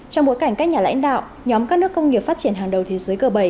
trong bối cảnh các nhà lãnh đạo nhóm các nước công nghiệp phát triển hàng đầu thế giới g bảy